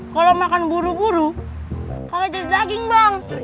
kalau makan buru buru kagak jadi daging bang